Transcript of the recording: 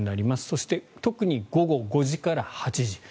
そして、特に午後５時から８時。